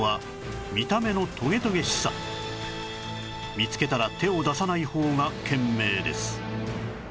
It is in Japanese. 見つけたら手を出さない方が賢明です